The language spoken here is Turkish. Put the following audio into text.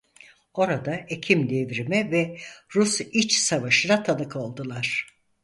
Orada Ekim Devrimi ve Rus İç Savaşı'na tanık oldular.